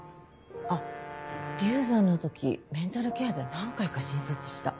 あっ流産の時メンタルケアで何回か診察した。